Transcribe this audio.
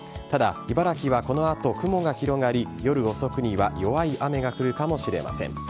ただ、茨城はこのあと雲が広がり、夜遅くには弱い雨が降るかもしれません。